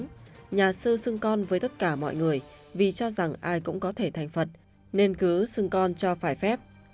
trước đó nhà sư xưng con với tất cả mọi người vì cho rằng ai cũng có thể thành phật nên cứ xưng con cho phải phép